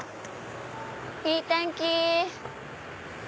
いい天気！